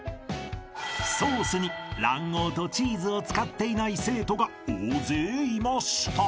［ソースに卵黄とチーズを使っていない生徒が大勢いました］